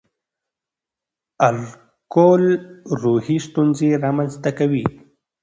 الکول روحي ستونزې رامنځ ته کوي.